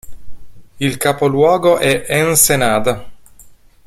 Il capoluogo è Ensenada.